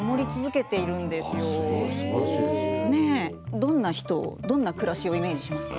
どんな人をどんな暮らしをイメージしますか？